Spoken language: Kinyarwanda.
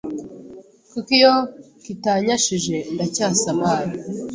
kuko iyo kitanyashije ndacyasa man,